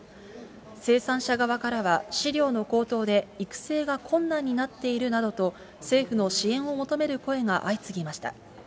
生産者側からは、飼料の高騰で育成が困難になっているなどと、政府の支援を求める声が相次ぎました。